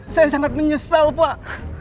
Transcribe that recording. saya sangat menyesal pak